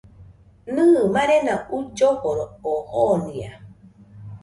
Nɨ, marena uilloforo oo jonia